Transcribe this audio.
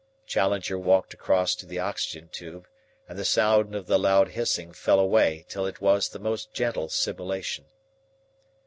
Challenger walked across to the oxygen tube, and the sound of the loud hissing fell away till it was the most gentle sibilation.